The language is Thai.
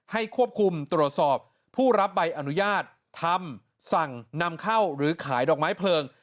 ควบคุมตรวจสอบผู้รับใบอนุญาตทำสั่งนำเข้าหรือขายดอกไม้เพลิง